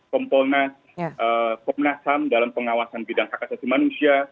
kompona komnasam dalam pengawasan bidang hak asasi manusia